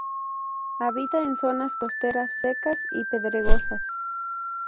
Habita en zonas costeras secas y pedregosas.